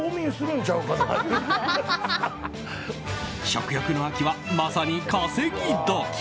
食欲の秋は、まさに稼ぎ時。